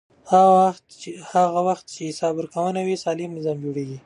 هغه وخت چې حساب ورکونه وي، سالم نظام جوړېږي.